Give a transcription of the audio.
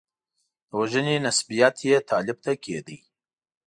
د وژنې نسبیت یې طالب ته کېدلو.